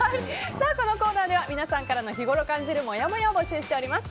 このコーナーでは皆さんからの日ごろ感じるもやもやを募集しております。